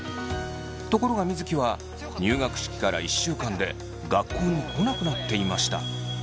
ところが水城は入学式から１週間で学校に来なくなっていました。